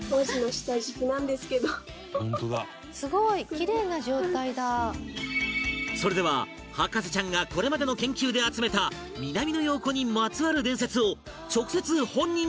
これそれでは博士ちゃんがこれまでの研究で集めた南野陽子にまつわる伝説を直接本人に確認